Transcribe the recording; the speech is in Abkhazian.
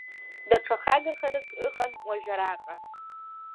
Даҽа хагахарак ыҟан уажә араҟа.